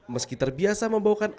meski terbiasa membawakan acara ini